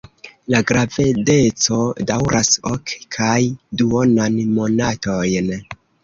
La gravedeco daŭras ok kaj duonan monatojn.